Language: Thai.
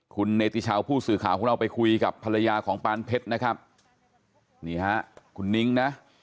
คุณเนติชาวผู้สื่อข่าวของเราไปคุยกับภรรยาของปานเพชรนะครับนี่ฮะคุณนิ้งนะ